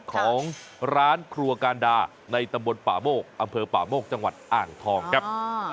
ของร้านครัวการดาในตำบลป่าโมกอำเภอป่าโมกจังหวัดอ่างทองครับ